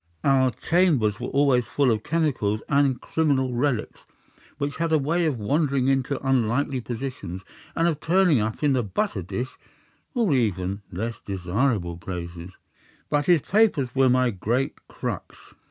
Our chambers were always full of chemicals and of criminal relics which had a way of wandering into unlikely positions, and of turning up in the butter dish or in even less desirable places. But his papers were my great crux.